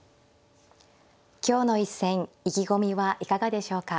今日の一戦意気込みはいかがでしょうか。